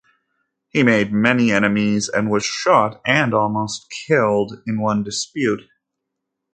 He made many enemies and was shot and almost killed in one dispute.